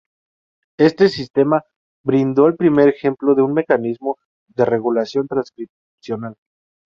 Este sistema brindó el primer ejemplo de un mecanismo de regulación transcripcional.